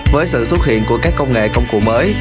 với sự xuất hiện của các công nghệ công cụ mới